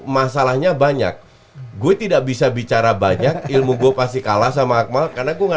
masalahnya banyak gue tidak bisa bicara banyak ilmu gue pasti kalah sama akmal karena gue gak